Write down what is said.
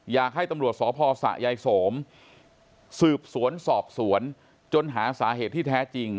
อยากให้ตำรวจสพสะยายโสมสืบสวนสอบสวนจนหาสาเหตุที่แท้จริง